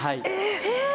えっ！